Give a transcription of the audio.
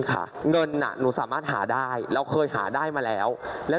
แห่งเงินน่ะผมสามารถหาได้ครับผมเคยหาได้มาแล้ว